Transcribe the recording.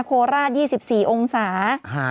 โคลราศ๒๔องศาค่ะ